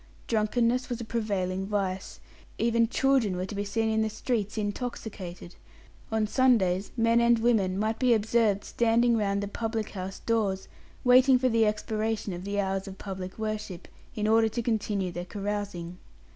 Drunkenness was a prevailing vice. Even children were to be seen in the streets intoxicated. On Sundays, men and women might be observed standing round the public house doors, waiting for the expiration of the hours of public worship, in order to continue their carousing.